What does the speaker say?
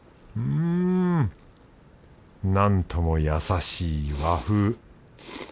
うんなんとも優しい和風。